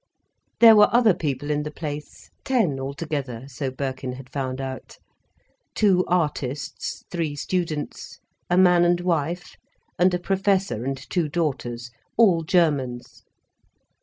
There were other people in the place, ten altogether, so Birkin had found out: two artists, three students, a man and wife, and a Professor and two daughters—all Germans.